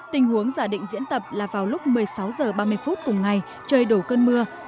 tình huống giả định diễn tập là vào lúc một mươi sáu h ba mươi phút cùng ngày trời đổ cơn mưa